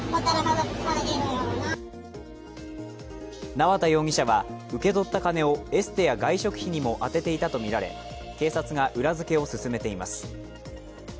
縄田容疑者は、受け取った金をエステや外食費にも充てていたとみられ、警察が裏付けを進めています。